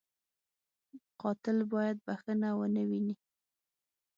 قاتل باید بښنه و نهويني